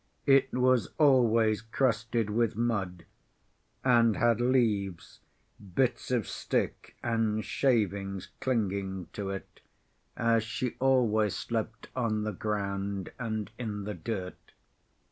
It was always crusted with mud, and had leaves, bits of stick, and shavings clinging to it, as she always slept on the ground and in the dirt.